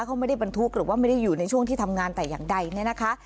เขาไม่ได้บรรทุกหรือว่าไม่ได้อยู่ในช่วงที่ทำงานแต่อย่างใดเนี่ยนะคะ